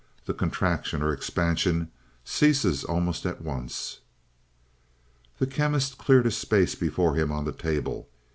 The contraction or expansion ceases almost at once." The Chemist cleared a space before him on the table.